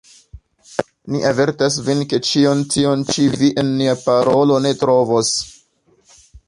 Ni avertas vin, ke ĉion tion ĉi vi en nia parolo ne trovos.